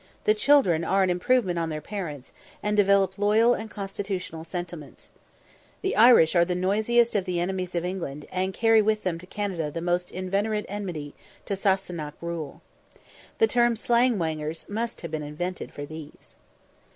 The children are an improvement on their parents, and develop loyal and constitutional sentiments. The Irish are the noisiest of the enemies of England, and carry with them to Canada the most inveterate enmity to "Sassenach" rule. The term "slang whangers" must have been invented for these.